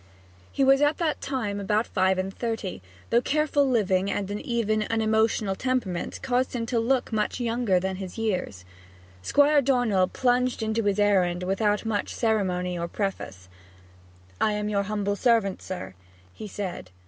He was at this time about five and thirty, though careful living and an even, unemotional temperament caused him to look much younger than his years. Squire Dornell plunged into his errand without much ceremony or preface. 'I am your humble servant, sir,' he said.